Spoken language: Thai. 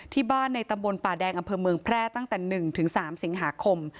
ที่บ้านในตำบลป่าแดงอำเภอเมืองแพร่ตั้งแต่๑๓สิงหาคม